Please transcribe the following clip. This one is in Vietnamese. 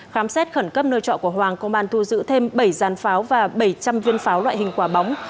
khám xét khẩn cấp nơi trọ của hoàng công an thu giữ thêm bảy giàn pháo và bảy trăm linh viên pháo loại hình quả bóng